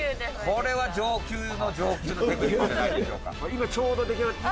これは上級の上級のテクニックじゃないでしょうか。